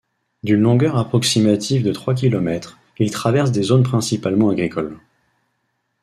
D'une longueur approximative de trois kilomètres, il traverse des zones principalement agricoles.